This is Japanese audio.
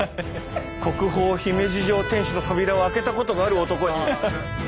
国宝姫路城天守の扉を開けたことがある男に。